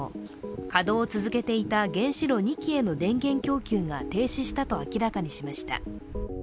稼働を続けていた原子炉２基への電源供給が停止したと明らかにしました。